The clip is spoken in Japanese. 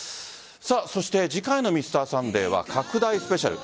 そして次回の「Ｍｒ．サンデー」は拡大スペシャル。